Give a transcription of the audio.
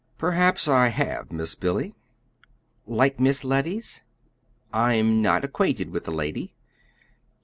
"Perhaps I have, Miss Billy." "Like Miss Letty's?" "I'm not acquainted with the lady."